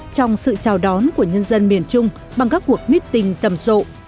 trong sự chào đón của nhân dân miền trung bằng các cuộc meeting rầm rộ